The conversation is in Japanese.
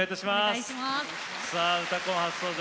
「うたコン」初登場。